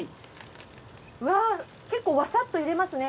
うわ結構わさっと入れますね。